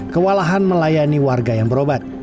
kewalahan melayani warga yang berobat